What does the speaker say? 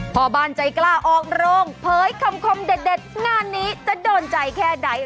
พ่อบ้านใจกล้าออกโรงเผยคำคมเด็ดงานนี้จะโดนใจแค่ไหน